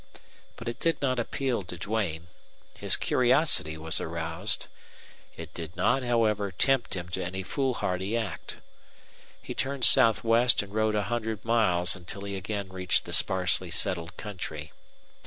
But it did not appeal to Duane. His curiosity was aroused; it did not, however, tempt him to any foolhardy act. He turned southwest and rode a hundred miles until he again reached the sparsely settled country.